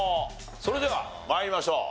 それでは参りましょう。